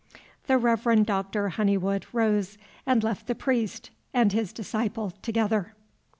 The Reverend Doctor Honeywood rose and left the priest and his disciple together.